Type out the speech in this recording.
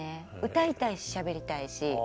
歌いたいししゃべりたいし。